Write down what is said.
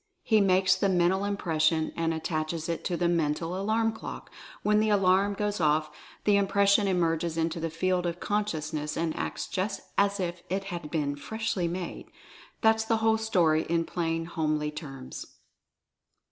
He makes the Mental Im pression and attaches it to the Mental Alarm Clock — when the Alarm goes off the Impression emerges into the field of consciousness and acts just as if it had been freshly made. That's the whole story in plain homely terms.